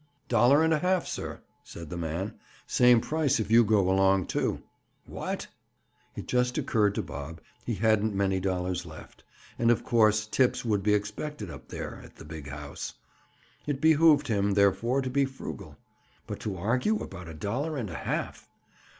"Dollar and a half, sir," said the man. "Same price if you go along, too." "What?" It just occurred to Bob he hadn't many dollars left, and of course, tips would be expected up there, at the big house. It behooved him, therefore, to be frugal. But to argue about a dollar and a half!